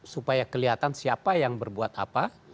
supaya kelihatan siapa yang berbuat apa